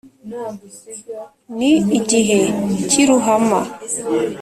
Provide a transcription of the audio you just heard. n' igihe cy' i ruhama,